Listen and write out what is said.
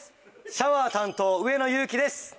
シャワー担当上野勇希です